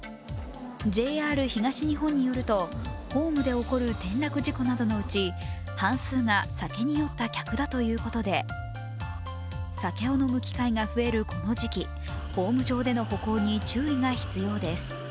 ＪＲ東日本によると、ホームで起こる転落事故などのうち、半数が酒に酔った客だということで酒を飲む機会が増えるこの時期、ホーム上での歩行に注意が必要です。